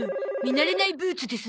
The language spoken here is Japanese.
慣れないブーツですな。